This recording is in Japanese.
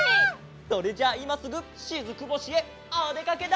それじゃあいますぐしずく星へおでかけだ！